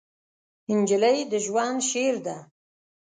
نجلۍ د ژوند شعر ده.